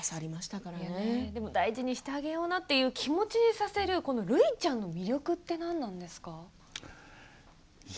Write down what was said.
大事にしてあげようっていう気持ちにさせるるいちゃんの魅力は何なんですか。